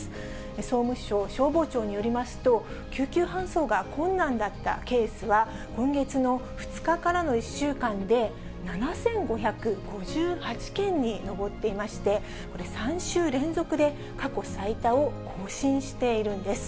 総務省消防庁によりますと、救急搬送が困難だったケースは、今月の２日からの１週間で７５５８件に上っていまして、これ、３週連続で過去最多を更新しているんです。